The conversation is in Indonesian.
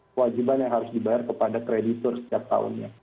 kewajiban yang harus dibayar kepada kreditur setiap tahunnya